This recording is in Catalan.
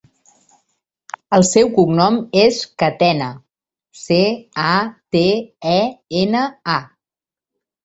El seu cognom és Catena: ce, a, te, e, ena, a.